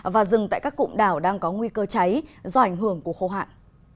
và rừng tại các cụm đảo đang có nguy cơ cháy do ảnh hưởng của khô hạn